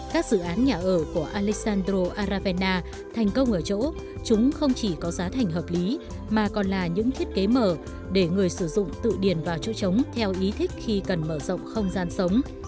các dự án nhà ở của alexandro aravena thành công ở chỗ chúng không chỉ có giá thành hợp lý mà còn là những thiết kế mở để người sử dụng tự điền vào chỗ trống theo ý thích khi cần mở rộng không gian sống